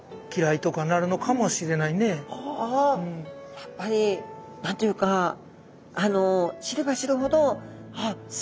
やっぱり何と言うか知れば知るほどあっす